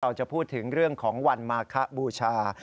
เราจะพูดถึงเรื่องของวันมาคบูชา